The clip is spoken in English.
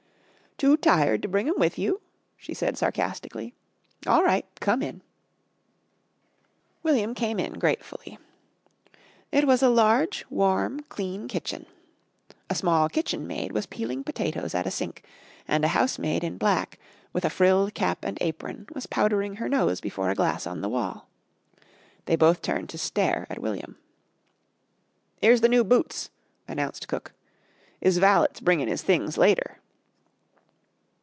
"Too tired to bring 'em with you?" she said sarcastically. "All right. Come in!" William came in gratefully. It was a large, warm, clean kitchen. A small kitchen maid was peeling potatoes at a sink, and a housemaid in black, with a frilled cap and apron, was powdering her nose before a glass on the wall. They both turned to stare at William. "'Ere's the new Boots," announced Cook, "'is valet's bringin' 'is things later."